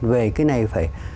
về cái này phải